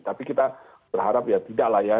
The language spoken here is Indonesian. tapi kita berharap ya tidak lah ya